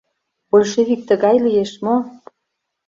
Большевик тыгай лиеш мо?